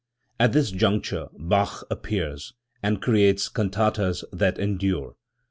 At this juncture Bach appears, and creates cantatas that endure.